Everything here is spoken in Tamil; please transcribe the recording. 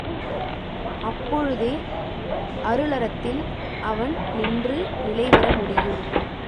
அப்பொழுதே அருளறத்தில் அவன் நின்று நிலைபெற முடியும்.